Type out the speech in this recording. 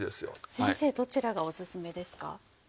先生どちらがおすすめですか？